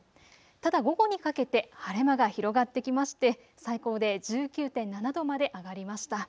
ただ午後にかけて晴れ間が広がってきまして最高で１９．７度まで上がりました。